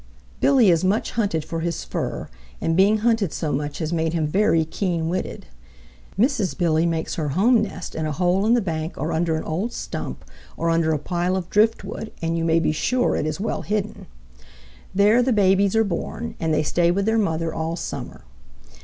Billy is much hunted for his fur, and being hunted so much has made him very keen witted. Mrs. Billy makes her home nest in a hole in the bank or under an old stump or under a pile of driftwood, and you may be sure it is well hidden. There the babies are born, and they stay with their mother all summer.